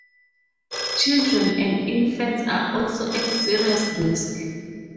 Children and infants are also at serious risk.